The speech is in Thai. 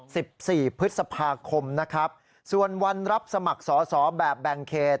สิบสี่พฤษภาคมนะครับส่วนวันรับสมัครสอสอแบบแบ่งเขต